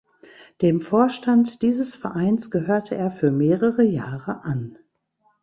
Dem Vorstand dieses Vereins gehörte er für mehrere Jahre an.